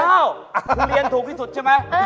ทุเรียนถูกที่สุดใช่ไหม